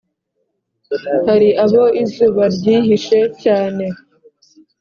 hari abo izuba ryihishe cyane,